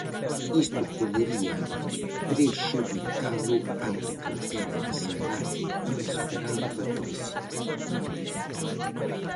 Isto podería prexudicalo ante calquera desenlace inesperado da crise.